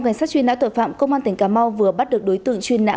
cảnh sát truy nã tội phạm công an tỉnh cà mau vừa bắt được đối tượng truy nã